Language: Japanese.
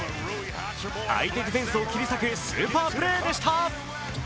相手ディフェンスを切り裂くスーパープレーでした。